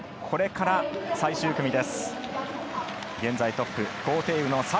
これから、最終組。